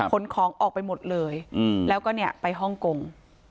ขนของออกไปหมดเลยแล้วก็เนี่ยไปฮ่องกง